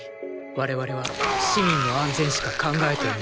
我々は市民の安全しか考えていない。